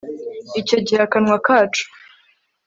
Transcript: icyo gihe akanwa kacu